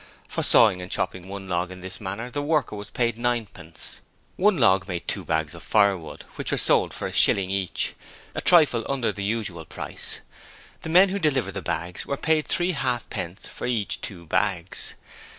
For sawing and chopping one log in this manner the worker was paid ninepence. One log made two bags of firewood, which were sold for a shilling each a trifle under the usual price. The men who delivered the bags were paid three half pence for each two bags.